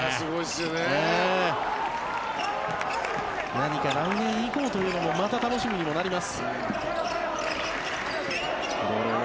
何か来年以降というのもまた楽しみになります。